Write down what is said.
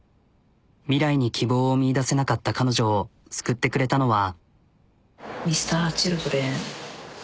未来に希望を見いだせなかった彼女を救ってくれたのは。